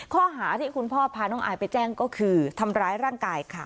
ข้อหาที่คุณพ่อพาน้องอายไปแจ้งก็คือทำร้ายร่างกายค่ะ